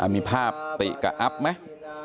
มีภาพติกับอัพไหม